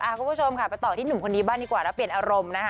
คุณผู้ชมค่ะไปต่อที่หนุ่มคนนี้บ้างดีกว่าแล้วเปลี่ยนอารมณ์นะคะ